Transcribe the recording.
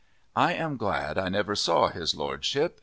I am glad I never saw his Lordship.